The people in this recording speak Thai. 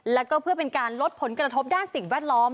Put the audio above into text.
แล้วก็เพื่อเป็นการลดผลกระทบด้านสิ่งแวดล้อม